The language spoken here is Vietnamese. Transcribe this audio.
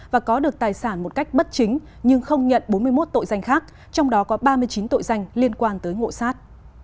và có được tài sản một cách bất chính nhưng không nhận bốn mươi một tội danh khác trong đó có ba mươi chín tội danh liên quan tới ngộ sát